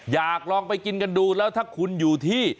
อยากลองไปกินกันดูแล้วถ้าคุณอยู่ที่